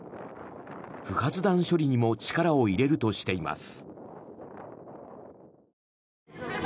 不発弾処理にも力を入れるとしています。